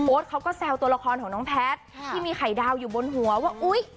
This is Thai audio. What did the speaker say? เขาก็แซวตัวละครของน้องแพทย์ที่มีไข่ดาวอยู่บนหัวว่าอุ้ย